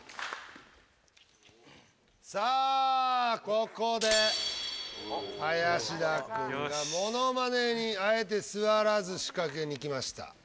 さあここで林田君が「モノマネ」にあえて座らず仕掛けにきました。